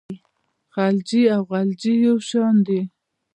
خلجي او غلجي یو شان دي.